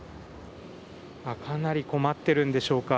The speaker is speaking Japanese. かなり困っているんでしょうか。